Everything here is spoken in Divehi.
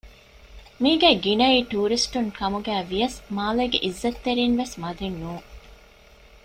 މީގައި ގިނައީ ޓޫރިސްޓުން ކަމުގައި ވިޔަސް މާލޭގެ އިއްޒަތްތެރިންވެސް މަދެއް ނޫން